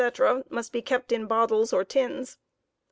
* must be kept in bottles or tins.